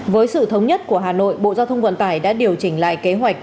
với sự thống nhất của hà nội bộ giao thông vận tải đã điều chỉnh lại kế hoạch